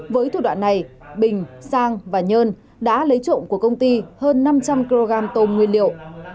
với thủ đoạn này bình sang và nhơn đã lấy trộm của công ty hơn năm trăm linh kg tôm nguyên liệu